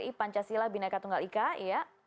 nkri pancasila bhinneka tunggal ika